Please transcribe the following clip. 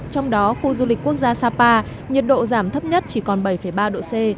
trong đó khu du lịch quốc gia sapa nhiệt độ giảm thấp nhất chỉ còn bảy ba độ c